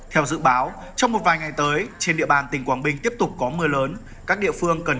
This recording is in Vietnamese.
theo dự báo trong một vài ngày tới trên địa bàn tỉnh quảng bình tiếp tục có mưa lớn các địa phương cần